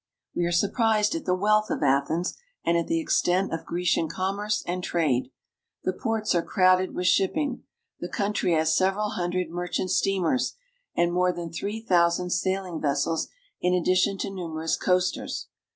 We are surprised at the wealth of Athens and at the extent of Grecian commerce and trade. The ports are crowded with shipping. The country has several hundred merchant steamers, and more than three thousand sailing vessels in addition to numerous coasters.